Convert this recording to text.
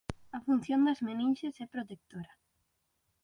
A función das meninxes é protectora.